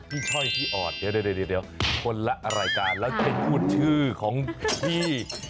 ช่อยพี่ออดเดี๋ยวคนละรายการแล้วจะพูดชื่อของพี่